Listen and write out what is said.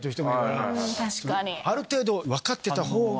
ある程度分かってた方が。